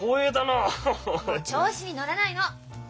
もう調子に乗らないの！